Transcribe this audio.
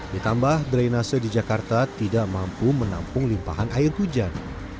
ditambah drainase di jakarta tidak mampu menampung limpahan air hujan